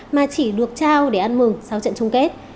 mà chỉ được trao để ăn mừng sau trận chung kết